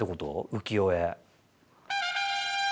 浮世絵。